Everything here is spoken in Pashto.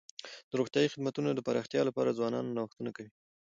د روغتیايي خدمتونو د پراختیا لپاره ځوانان نوښتونه کوي.